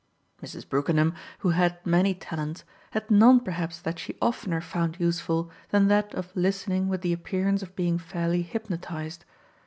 Mrs. Brookenham, who had many talents, had none perhaps that she oftener found useful than that of listening with the appearance of being fairly hypnotised.